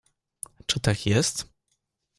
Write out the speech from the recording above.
"Czy tak jest?"